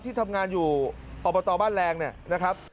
ที่ทำงานอยู่อบตบ้านแรงเนี่ยนะครับ